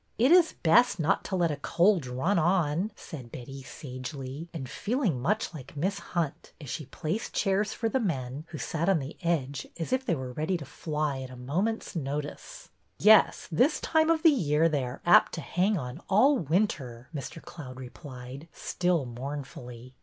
'' It is best not to let a cold run on," said Betty, sagely, and feeling much like Miss Hunt as she placed chairs for the men, who sat on the edge as if they were ready to fly at a moment's notice. ''SHOCKINGLY YOUNG" 219 " Yes, this time of the year they are apt to hang on all winter," Mr. Cloud replied, still mournfully.